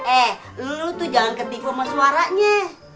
eh lu tuh jangan ketik sama suaranya